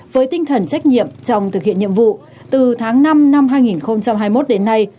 với tinh thần trách nhiệm trong thực hiện nhiệm vụ từ tháng năm năm hai nghìn hai mươi một đến nay